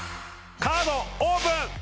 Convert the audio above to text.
カードオープン！